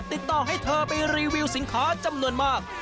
ติดต่อให้เธอไปรีวิวสินค้าจำนวนมาก